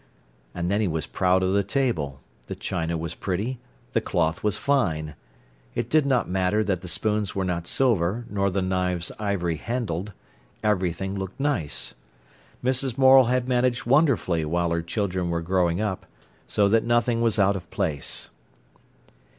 And then he was proud of the table; the china was pretty, the cloth was fine. It did not matter that the spoons were not silver nor the knives ivory handled; everything looked nice. Mrs. Morel had managed wonderfully while her children were growing up, so that nothing was out of place.